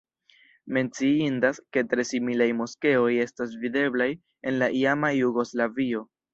Menciindas, ke tre similaj moskeoj estas videblaj en la iama Jugoslavio.